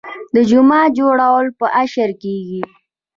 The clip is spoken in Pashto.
د جومات جوړول په اشر کیږي.